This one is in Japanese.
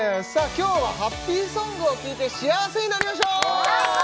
今日はハッピーソングを聴いて幸せになりましょう最高！